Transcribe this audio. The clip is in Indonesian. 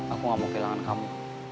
aku gak mau kehilangan kamu